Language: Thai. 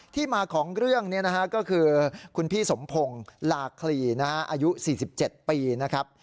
ที่มาของเรื่องนี้นะฮะก็คือคุณพี่สมพงศ์ลาคลีอายุ๔๗ปีนะครับ